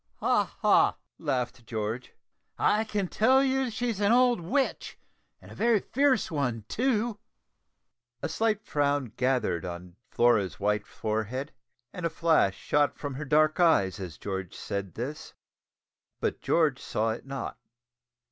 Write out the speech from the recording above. "Ha! ha!" laughed George, "I can tell you that she's an old witch, and a very fierce one too." A slight frown gathered on Flora's white forehead, and a flash shot from her dark eyes, as George said this, but George saw it not.